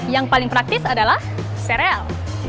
yang paling praktis adalah sereal